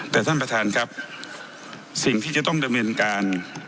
แต่ท่านประธานครับสิ่งที่จะต้องดำเนินการ